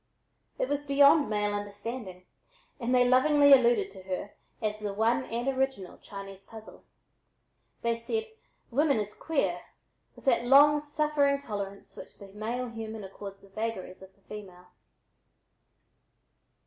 It was beyond male understanding and they lovingly alluded to her as the "one and original Chinese puzzle." They said "women is queer" with that long suffering tolerance which the male human accords the vagaries of the female.